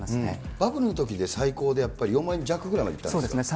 バブルのときで最高でやっぱり４万円弱ぐらいまでいったんでそうですね。